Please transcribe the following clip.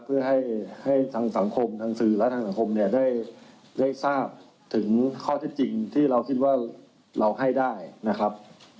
เพื่อให้ทางสังคมทางสื่อและทางสังคมเนี่ยได้ทราบถึงข้อเท็จจริงที่เราคิดว่าเราให้ได้นะครับ